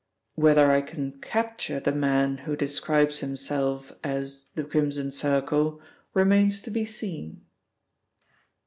Whether I can capture the man who describes himself as the Crimson Circle, remains to be seen."